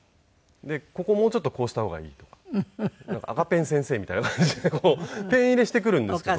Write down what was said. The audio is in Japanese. でここもうちょっとこうした方がいいとか赤ペン先生みたいな感じでペン入れしてくるんですけど。